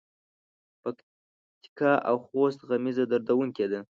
پکتیکا او خوست غمیزه دردوونکې ده.